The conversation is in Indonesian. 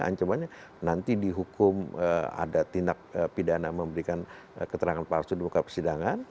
ancamannya nanti dihukum ada tindak pidana memberikan keterangan palsu di muka persidangan